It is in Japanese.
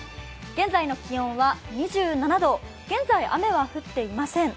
現在の気温は２７度、現在、雨は降っていません。